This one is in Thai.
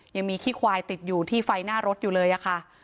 ยังมีขี้ควายติดอยู่ที่ไฟหน้ารถอยู่เลยอะค่ะ